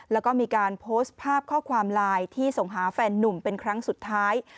แล้วก็มีการโพสต์ภาพข้อความไลน์ที่ส่งหาแฟนนุ่มเป็นครั้งสุดท้าย